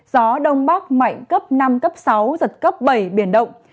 gió đông bắc mạnh cấp năm cấp sáu giật cấp bảy biển động